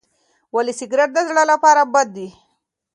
ولې سګریټ د زړه لپاره بد دی؟